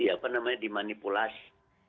apa namanya dimanipulasi